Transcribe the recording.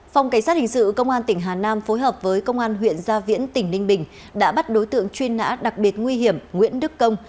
phòng cảnh sát hình sự công an tỉnh hà nam phối hợp với công an huyện gia viễn tỉnh ninh bình đã bắt đối tượng truy nã đặc biệt nguy hiểm nguyễn đức công